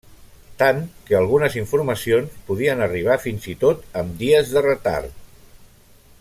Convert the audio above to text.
Tant, que algunes informacions podien arribar fins i tot amb dies de retard.